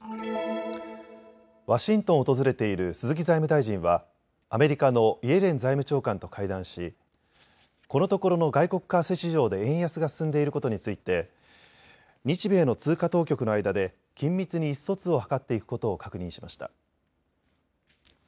ワシントンを訪れている鈴木財務大臣はアメリカのイエレン財務長官と会談しこのところの外国為替市場で円安が進んでいることについて日米の通貨当局の間で緊密に意思疎通を図っていくことを確認しました。